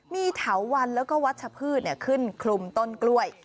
มีเถาวันแล้วก็วัชพืชขึ้นคลุมต้นกล้วย